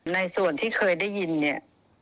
ในส่วนที่เคยได้ยินเนี่ย